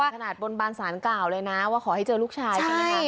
ขนาดบนบานสารกล่าวเลยนะว่าขอให้เจอลูกชายใช่ไหมคะ